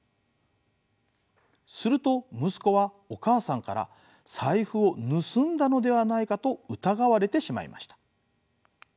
すると息子はお母さんから財布を盗んだのではないかと疑われてしまいました。